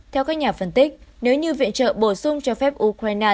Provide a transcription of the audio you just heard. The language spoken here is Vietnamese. theo các nhà phân tích nếu như viện trợ bổ sung cho phép ukraine